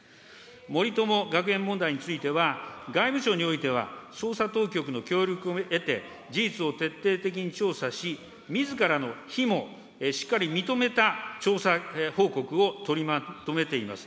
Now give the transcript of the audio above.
森友学園問題については、外務省においては捜査当局の協力も得て、事実を徹底的に調査し、みずからの非もしっかり認めた調査報告を取りまとめています。